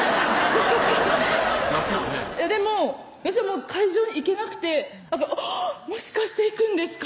なるよねでも私は会場に行けなくてあぁっもしかして行くんですか？